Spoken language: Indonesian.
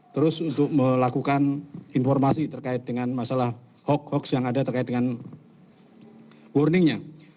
terus untuk melakukan informasi terkait dengan masalah hoax hoax yang ada terkait dengan warningnya